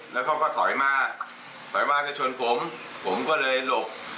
แล้วเขาก็ถอยมาถอยมาจะชนผมผมก็เลยหลบ